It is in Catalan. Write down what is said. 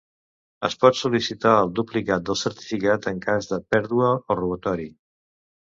Es pot sol·licitar el duplicat del certificat en cas de pèrdua o robatori.